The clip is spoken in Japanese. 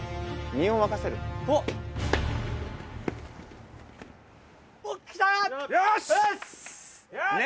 身を任せた。